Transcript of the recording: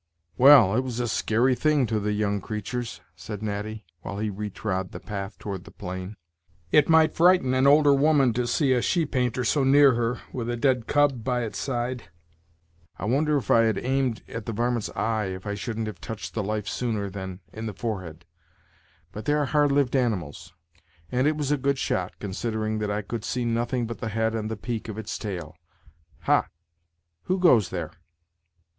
"Well, it was a skeary thing to the young creatur's," said Natty, while he retrod the path toward the plain. "It might frighten an older woman, to see a she painter so near her, with a dead cub by its side. I wonder if I had aimed at the varmint's eye, if I shouldn't have touched the life sooner than in the forehead; but they are hard lived animals, and it was a good shot, consid'ring that I could see nothing but the head and the peak of its tail. Hah! who goes there?"